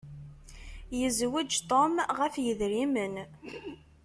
Yezweǧ Tom ɣef yedrimen.